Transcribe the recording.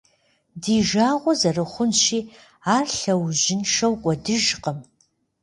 Ди жагъуэ зэрыхъунщи, ар лъэужьыншэу кӏуэдыжкъым.